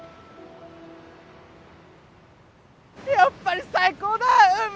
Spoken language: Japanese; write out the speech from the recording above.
やっぱり最高だ海！